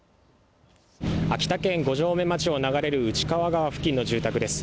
秋田県五城目町を流れる内川川付近の住宅です。